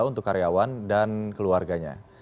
untuk karyawan dan keluarganya